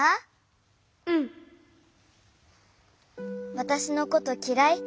わたしのこときらい？